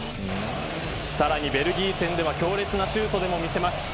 さらにベルギー戦では強烈なシュートでも見せます。